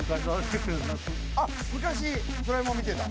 あっ昔『ドラえもん』見てた？